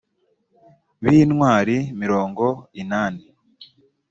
b intwari mirongo inani